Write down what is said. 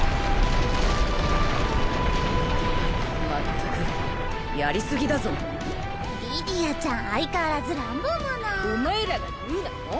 まったくやりすぎだぞリディアちゃん相変わらず乱暴者お前らが言うなうん？